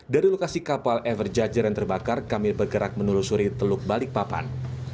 dari lokasi kapal everjur yang terbakar kami bergerak menelusuri teluk balikpapan